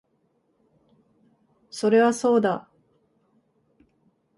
それはそうだ